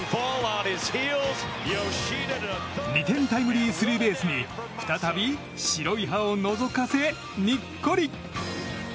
２点タイムリースリーベースに再び白い歯をのぞかせにっこり。